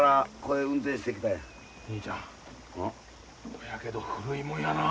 ほやけど古いもんやなあ。